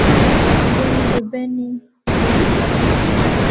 bene rubeni, bene gadi